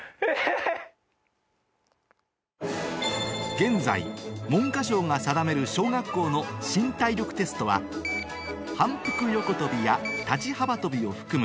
現在文科省が定める小学校の新体力テストは反復横とびや立ち幅とびを含む